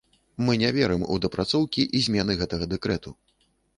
Мы не верым у дапрацоўкі і змены гэтага дэкрэту.